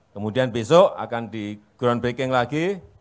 kemudian besok akan di groundbreaking lagi